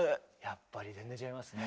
やっぱり全然違いますね。